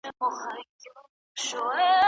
سبا به موږ یو نوی درس ولرو.